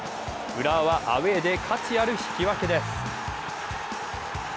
浦和はアウェーで価値ある引き分けです。